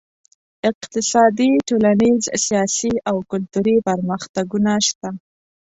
اقتصادي، ټولنیز، سیاسي او کلتوري پرمختګونه شته.